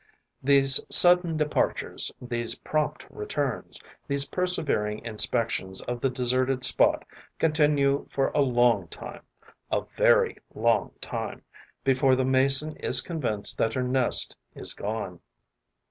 These sudden departures, these prompt returns, these persevering inspections of the deserted spot continue for a long time, a very long time, before the Mason is convinced that her nest is gone.